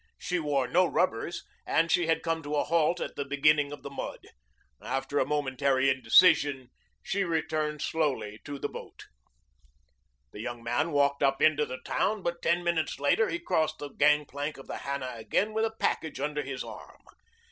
She wore no rubbers and she had come to a halt at the beginning of the mud. After a momentary indecision she returned slowly to the boat. The young man walked up into the town, but ten minutes later he crossed the gangplank of the Hannah again with a package under his arm.